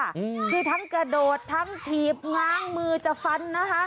อืมคือทั้งกระโดดทั้งถีบง้างมือจะฟันนะคะ